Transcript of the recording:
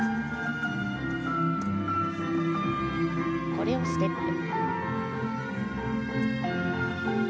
コレオステップ。